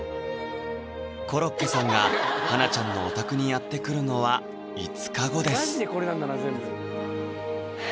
コロッケさんが花奈ちゃんのお宅にやって来るのは５日後です